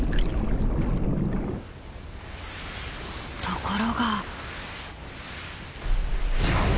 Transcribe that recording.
ところが。